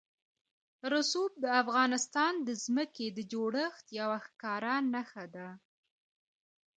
رسوب د افغانستان د ځمکې د جوړښت یوه ښکاره نښه ده.